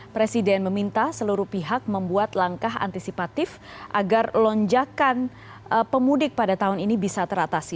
presiden meminta seluruh pihak membuat langkah antisipatif agar lonjakan pemudik pada tahun ini bisa teratasi